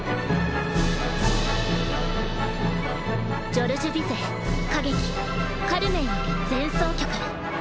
ジョルジュ・ビゼー歌劇「カルメン」より「前奏曲」。